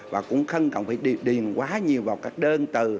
và cũng không cần phải điền quá nhiều vào các đơn tờ